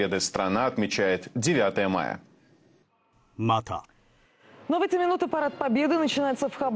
また。